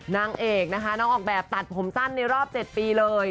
นางเอกนะคะน้องออกแบบตัดผมสั้นในรอบ๗ปีเลย